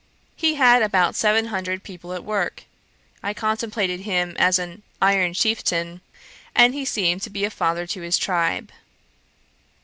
He had about seven hundred people at work. I contemplated him as an iron chieftain, and he seemed to be a father to his tribe.